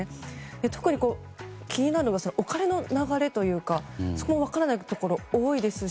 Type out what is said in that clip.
特に、気になるのがお金の流れというかそこも分からないところが多いですし。